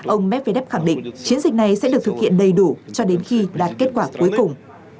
ông medvedev khẳng định chiến dịch này sẽ được thực hiện đầy đủ cho đến khi đạt kết quả cuối cùng